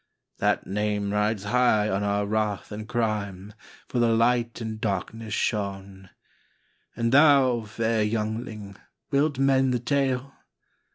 " That name rides high on our wrath and crime, For the Light in darkness shone. " And thou, fair youngling, wilt mend the tale?